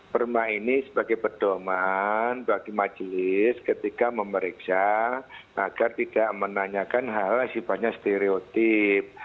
perma ini sebagai pedoman bagi majelis ketika memeriksa agar tidak menanyakan hal hal sifatnya stereotip